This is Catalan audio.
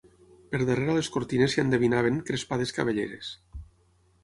Per darrera les cortines s'hi endevinaven crespades cabelleres